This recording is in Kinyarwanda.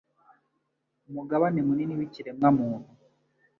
umugabane munini w’ikiremwa muntu,